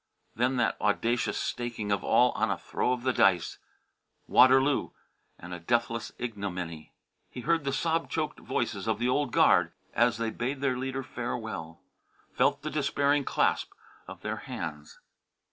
Then that audacious staking of all on a throw of the dice Waterloo and a deathless ignominy. He heard the sob choked voices of the Old Guard as they bade their leader farewell felt the despairing clasp of their hands!